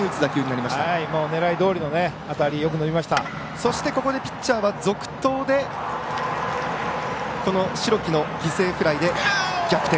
そしてピッチャーは続投でこの代木の犠牲フライで逆転